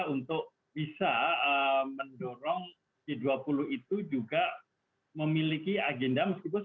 untuk bisa mendorong g dua puluh itu juga memiliki agenda meskipun